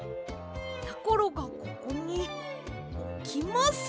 やころがここにおきます！